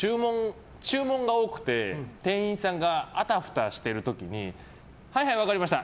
注文が多くて店員さんがあたふたしている時にはいはい、分かりました。